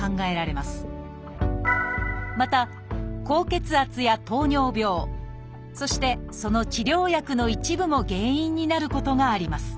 また高血圧や糖尿病そしてその治療薬の一部も原因になることがあります。